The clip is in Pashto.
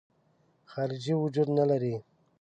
خارجي وجود نه لري.